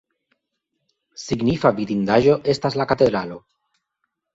Signifa vidindaĵo estas la katedralo.